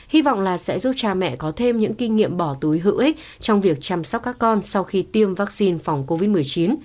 hy vọng là sẽ giúp cha mẹ có thêm những kinh nghiệm bỏ túi hữu ích trong việc chăm sóc các con sau khi tiêm vaccine phòng covid một mươi chín